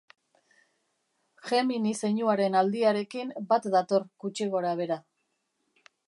Gemini zeinuaren aldiarekin bat dator gutxi gorabehera.